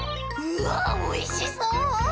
うわっおいしそう！